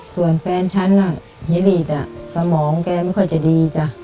ส่วนแฟนฉันหิริตสมองแกไม่ค่อยจะดี